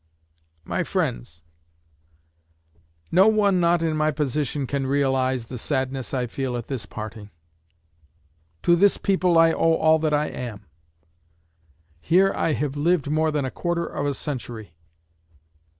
My Friends: No one not in my position can realize the sadness I feel at this parting. To this people I owe all that I am. Here I have lived more than a quarter of a century.